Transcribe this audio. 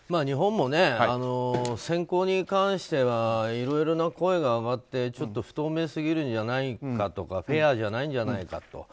日本も選考に関してはいろいろな声が上がってちょっと不透明すぎるんじゃないかとかフェアじゃないんじゃないかと。